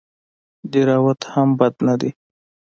دهراوت هم بد نه دئ.